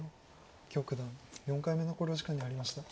許九段４回目の考慮時間に入りました。